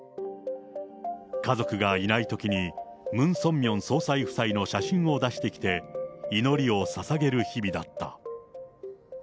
家族がいないときに、ムン・ソンミョン総裁夫妻の写真を出してきて、祈りをささげる日々だった。